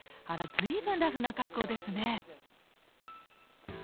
あら随分ラフな格好ですね。